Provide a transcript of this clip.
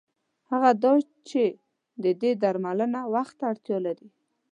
هغه دا چې د دې درملنه وخت ته اړتیا لري.